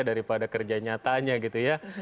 daripada kerja nyatanya gitu ya